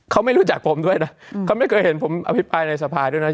เขาไม่รู้จักผมด้วยนะเขาไม่เคยเห็นผมอภิปรายในสภาด้วยนะ